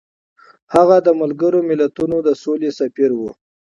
هغه د ملګرو ملتونو د سولې سفیر و.